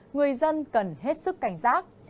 người dân cần hết sức cảnh giác